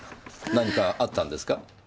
何かあったんですか？